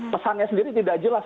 pesannya sendiri tidak jelas